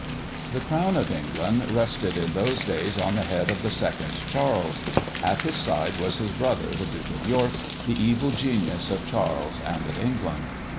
The crown of England rested in those days on the head of the second Charles. At his side was his brother, the Duke of York, the evil genius of Charles and of England.